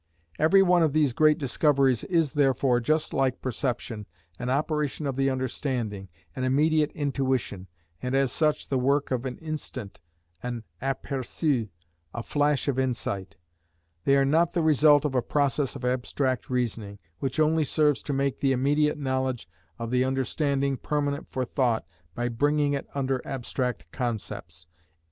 Every one of these great discoveries is therefore, just like perception, an operation of the understanding, an immediate intuition, and as such the work of an instant, an apperçu, a flash of insight. They are not the result of a process of abstract reasoning, which only serves to make the immediate knowledge of the understanding permanent for thought by bringing it under abstract concepts, _i.e.